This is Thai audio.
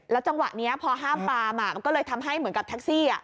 จังหวะนี้พอห้ามปามมันก็เลยทำให้เหมือนกับแท็กซี่